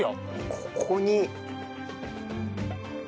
ここに。